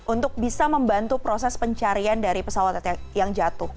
untuk bisa membantu proses pencarian dari pesawat yang jatuh